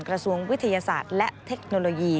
กระทรวงวิทยาศาสตร์และเทคโนโลยี